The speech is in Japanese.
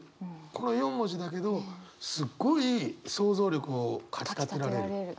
この４文字だけどすっごい想像力をかきたてられる。